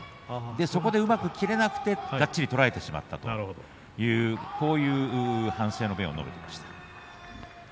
そこでうまく切れなくてがっちり取られてしまったという反省の弁を述べていました。